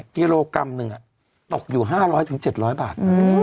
กิโลกรัมหนึ่งตกอยู่๕๐๐๗๐๐บาท